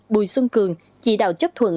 bùi xuân cường chỉ đạo chấp thuận